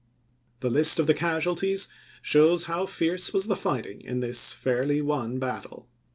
The list of the casualties shows how fierce was the fighting in this fairly won battle.